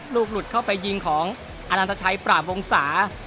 หลุดเข้าไปยิงของอนันตชัยปราบวงศา